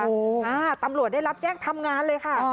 อ่าตำรวจได้รับแจ้งทำงานเลยค่ะ